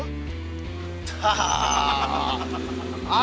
wah siapa ini